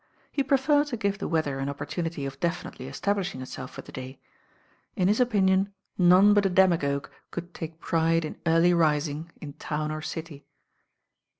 He pre ferred to give the weather an opportunity of definitely establishing itself for the day. In his opinion none but a demagogue could take pride in carly rising in town or city.